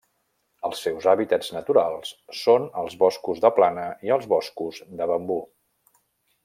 Els seus hàbitats naturals són els boscos de plana i els boscos de bambú.